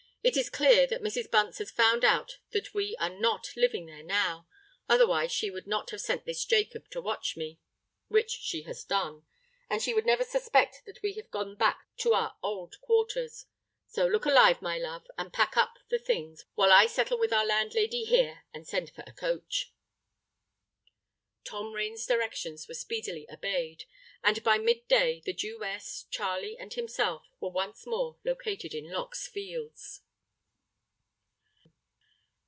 It is clear that Mrs. Bunce has found out that we are not living there now—otherwise she would not have set this Jacob to watch me, which she has done; and she would never suspect that we have gone back to our old quarters. So look alive, my love; and pack up the things, while I settle with our landlady here and send for a coach." Tom Rain's directions were speedily obeyed; and by mid day the Jewess, Charley, and himself were once more located in Lock's Fields.